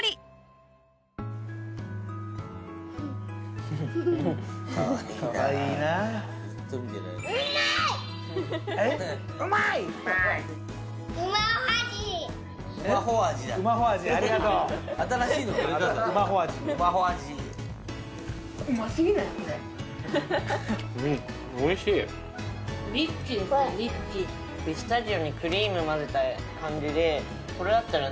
ピスタチオにクリーム混ぜた感じで。